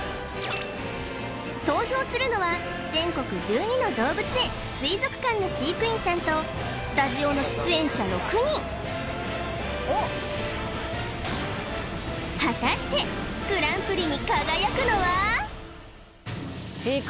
投票するのは全国１２の動物園水族館の飼育員さんとスタジオの出演者６人果たしてグランプリに輝くのは？